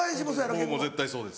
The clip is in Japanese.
僕も絶対そうです。